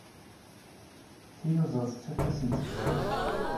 Tiyuzaḍ ttakf-asent zzerriɛa.